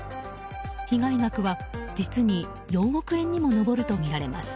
被害額は実に４億円にも上るとみられます。